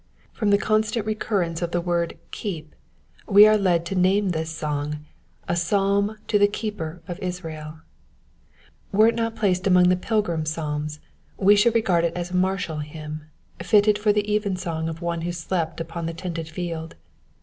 F)rom the constant re c urrence of the word keep, toe are led to name this song a Psalm to the keeper of IsraeL Were it not plaoed among the Pilgrim Psalms we should regard it as a martiat hymn, fitted for the evensong of one who slept upon the tented field.